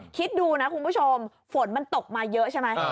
คิดดูนะคุณผู้ชมฝนมันตกมาเยอะใช่ไหม